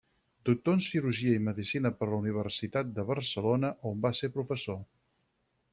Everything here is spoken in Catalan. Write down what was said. Doctor en cirurgia i medicina per la Universitat de Barcelona, on va ser professor.